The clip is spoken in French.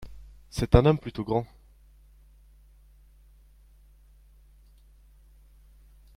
C’est un homme plutôt grand.